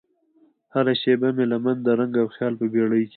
هره شیبه مې لمن د رنګ او خیال په بیړۍ کې